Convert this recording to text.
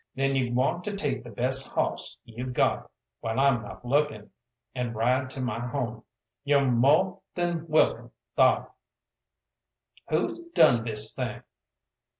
Then you want to take the best hawss you've got, while I'm not looking, and ride to my home. Yo're mo' than welcome thar." "Who's done this thing?"